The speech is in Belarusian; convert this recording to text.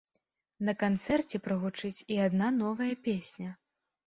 На канцэрце прагучыць і адна новая песня.